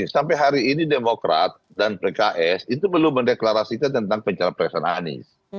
sampai hari ini demokrat dan pks itu belum mendeklarasikan tentang pencapresan anies